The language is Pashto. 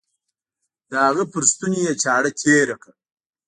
د هغه پر ستوني يې چاړه تېره کړه.